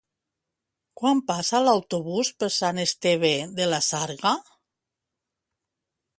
Quan passa l'autobús per Sant Esteve de la Sarga?